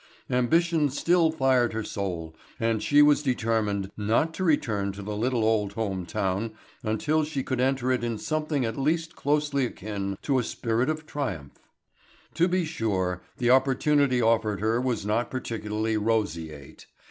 Ambition still fired her soul and she was determined not to return to the little old home town until she could enter it in something at least closely akin to a spirit of triumph. To be sure the opportunity offered her was not particularly roseate.